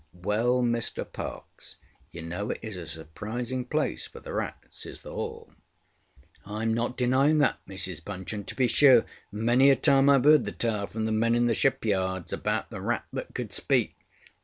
ŌĆØ ŌĆ£Well, Mr Parkes, you know it is a surprising place for the rats, is the Hall.ŌĆØ ŌĆ£IŌĆÖm not denying that, Mrs Bunch; and, to be sure, many a time IŌĆÖve heard the tale from the men in the shipyards about the rat that could speak.